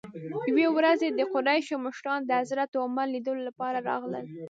یوې ورځ د قریشو مشران د حضرت عمر لیدلو لپاره راغلل.